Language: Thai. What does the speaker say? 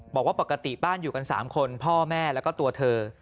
บอกว่าปกติบ้านอยู่กัน๓คนพ่อแม่แล้วก็ตัวเธอ